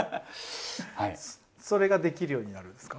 ⁉それができるようになるんですか？